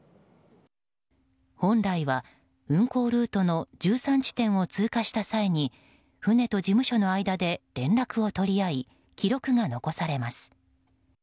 本来は、運航ルートの１３地点を通過した際に船と事務所の間で連絡を取り合い記録が残されます。